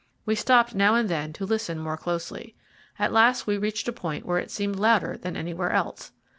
We stopped now and then to listen more closely. At last we reached a point where it seemed louder than anywhere else.